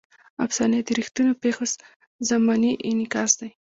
افسانې د ریښتونو پېښو ضمني انعکاس دی.